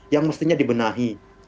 yang mestinya dibenahi